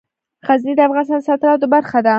غزني د افغانستان د صادراتو برخه ده.